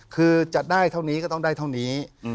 คือจะได้เท่านี้ก็ต้องได้เท่านี้